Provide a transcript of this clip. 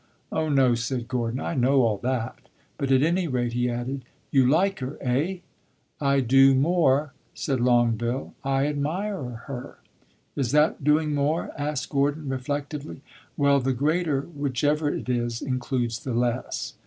'" "Oh no," said Gordon; "I know all that. But, at any rate," he added, "you like her, eh?" "I do more," said Longueville. "I admire her." "Is that doing more?" asked Gordon, reflectively. "Well, the greater, whichever it is, includes the less."